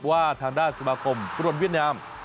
ว่าฐานด้านสมาคมสุดลนจุฯเวียดนาม